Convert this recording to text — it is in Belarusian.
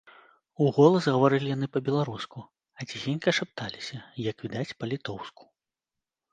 Уголас гаварылі яны па-беларуску, а ціхенька шапталіся, як відаць, па-літоўску.